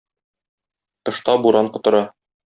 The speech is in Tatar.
Тышта буран котыра.